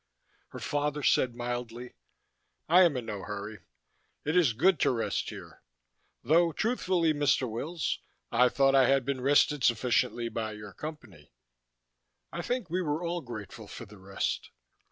Her father said mildly, "I am in no hurry. It is good to rest here. Though truthfully, Mr. Wills, I thought I had been rested sufficiently by your Company." I think we were all grateful for the rest.